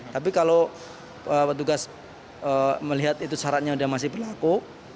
tapi kalau petugas melihat itu syaratnya sudah masih berlaku